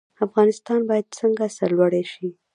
افغانستان باید څنګه سرلوړی شي؟